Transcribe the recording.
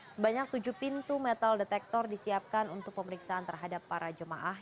sebanyak tujuh pintu metal detektor disiapkan untuk pemeriksaan terhadap para jemaah